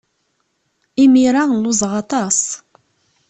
Imir-a lluẓeɣ aṭas.